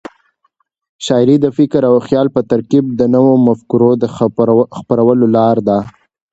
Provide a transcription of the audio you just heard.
شاعري د فکر او خیال په ترکیب د نوو مفکورو د خپرولو لار ده.